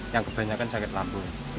yang kebanyakan sakit lambung